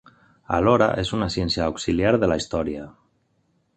Alhora és una ciència auxiliar de la història.